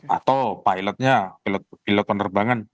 atau pilotnya pilot penerbangan